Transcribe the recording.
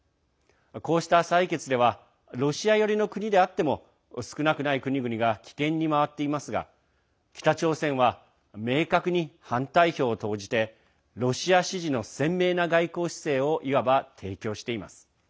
こうした採決ではロシア寄りの国であっても少なくない国々が棄権に回っていますが北朝鮮は明確に反対票を投じてロシア支持の鮮明な外交姿勢をいわば提供しています。